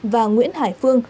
và nguyễn hải phương